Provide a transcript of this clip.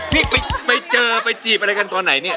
นี่ไปเจอไปจีบอะไรกันตอนไหนเนี่ย